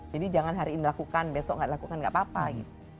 jadi jangan hari ini lakukan besok nggak lakukan nggak apa apa gitu